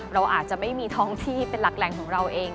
เราอาจจะไม่มีท้องที่เป็นหลักแหล่งของเราเอง